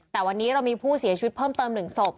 แต่วันนี้เรามีผู้เสียชีวิตเพิ่มเติม๑ศพ